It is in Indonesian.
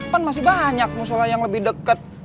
kan masih banyak musola yang lebih dekat